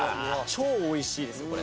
超美味しいですこれ。